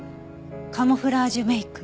カムフラージュメイク？